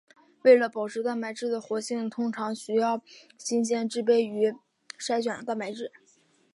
为了保证蛋白质的活性通常需要新鲜制备用于筛选的蛋白质。